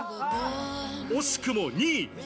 惜しくも２位。